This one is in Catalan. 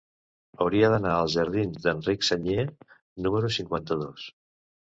Hauria d'anar als jardins d'Enric Sagnier número cinquanta-dos.